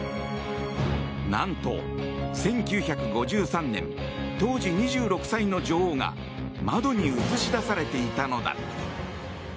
何と、１９５３年当時２６歳の女王が窓に映し出されていたのだ。